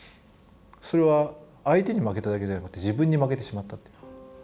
それは相手に負けただけじゃなくて自分に負けてしまったっていう。